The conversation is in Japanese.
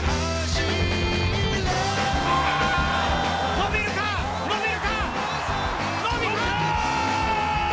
伸びるか、伸びるか、伸びたー！！